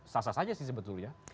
sasa saja sih sebetulnya